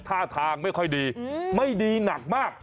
ท่าทางไม่ค่อยดีไม่ดีหนักมาก